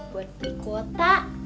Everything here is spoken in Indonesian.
buat beli kuota